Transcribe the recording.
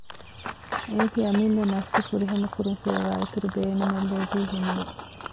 އޭގެ އަމިއްލަ ނަފުސު ފުރިހަމަކުރުން ފިޔަވައި އިތުރު ބޭނުމެއް ލޯބީގެ ނުވެ